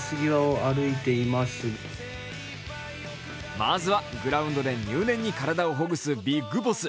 まずはグラウンドで入念に体をほぐすビッグボス。